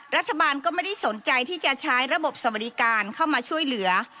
รัฐบาลก็ไม่ได้สนใจที่จะใช้ระบบสวัสดิการเข้ามาช่วยเหลือ